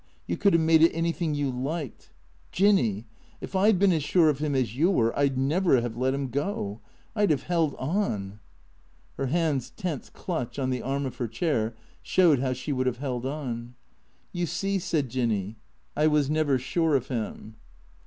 You could have made it anything you liked. Jinny ! If I 'd been as sure of him as you were, I 'd never have let him go. I 'd have held on " Her hands' tense clutch on the arm of her chair showed how she would have held on. " You see," said Jinny, " I was never sure of him."